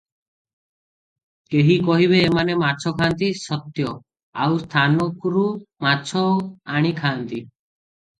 କେହି କହିବେ, ଏମାନେ ମାଛଖାଆନ୍ତି ସତ୍ୟ, ଆଉ ସ୍ଥାନରୁ ମାଛ ଆଣି ଖାଆନ୍ତି ।